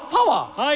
はい！